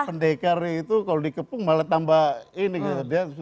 pendekar itu kalau dikepung malah tambah ini gitu